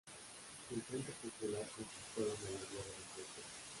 El Frente Popular conquistó la mayoría de los votos.